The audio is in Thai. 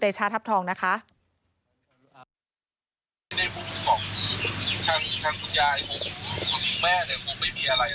เผื่อเขายังไม่ได้งาน